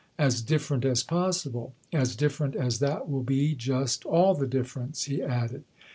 "As different as possible. As different as that will be just all the difference," he added.